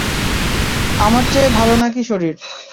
আমার চেয়ে ভাল নাকি শরীর?